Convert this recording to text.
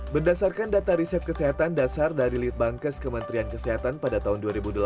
berdasarkan data riset kesehatan dasar dari litbangkes kementerian kesehatan pada tahun dua ribu delapan belas